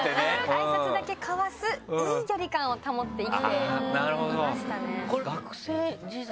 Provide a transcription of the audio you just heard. あいさつだけ交わすいい距離感を保って生きていましたね。